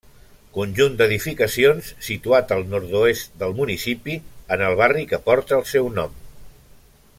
Conjunt d'edificacions situat al nord-oest del municipi, en el barri que porta el seu nom.